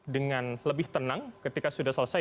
dengan lebih tenang ketika sudah selesai